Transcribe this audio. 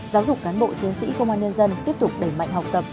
giáo dục cán bộ chiến sĩ công an nhân dân tiếp tục đẩy mạnh học tập